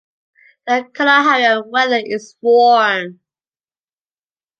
The Kalaharian weather is warm.